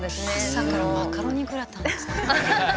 朝からマカロニグラタン作って。